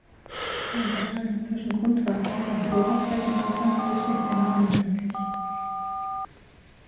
Die Unterscheidung zwischen Grundwasser und Oberflächenwasser ist nicht immer eindeutig.